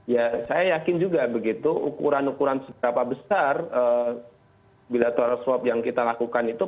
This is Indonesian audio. ya saya yakin juga begitu ukuran ukuran seberapa besar bilateral swab yang kita lakukan itu